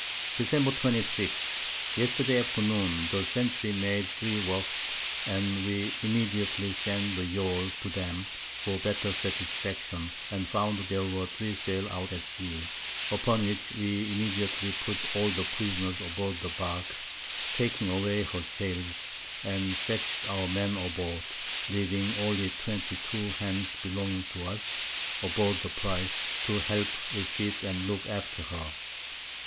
Dec. 26. Yesterday Afternoon the Centrys made 3 Waffs, [Sidenote: Cruising off Cape St. Lucas.] and we immediately sent the Yawl to them for better Satisfaction, and found there were 3 Sail out at Sea; upon which we immediately put all the Prisoners aboard the Bark, taking away her Sails, and fetched our Men aboard, leaving only 22 Hands belonging to us, aboard the Prize, to help refit and look after her.